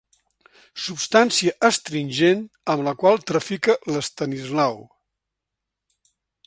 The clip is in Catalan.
Substància astringent amb la qual trafica l'Estanislau.